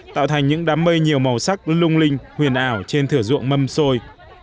tạo thành những đám mây nhiều màu sắc lung linh huyền ảo trên thửa ruộng mâm xôi